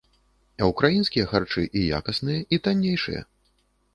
А ўкраінскія харчы і якасныя, і таннейшыя.